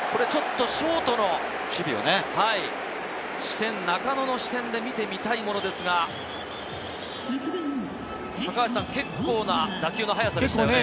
ショートの守備を中野の視点で見てみたいものですが、結構な打球の速さでしたね。